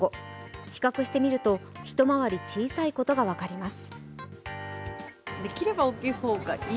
比較してみると、一回り小さいことが分かります。